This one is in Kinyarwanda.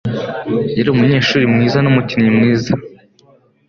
Yari umunyeshuri mwiza n'umukinnyi mwiza.